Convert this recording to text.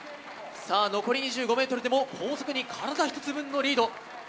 残り２５ｍでも後続に体１つ分のリード。